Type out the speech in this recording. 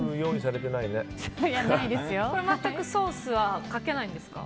全くソースはかけないんですか？